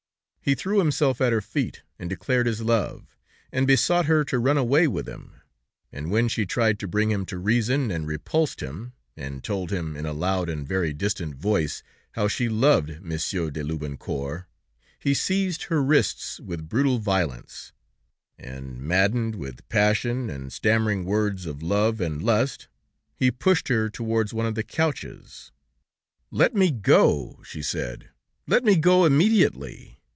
He threw himself at her feet and declared his love, and besought her to run away with him, and when she tried to bring him to reason and repulsed him, and told him in a loud and very distinct voice, how she loved Monsieur de Loubancourt, he seized her wrists with brutal violence, and maddened with passion and stammering words of love and lust, he pushed her towards one of the couches. "Let me go," she said, "let me go immediately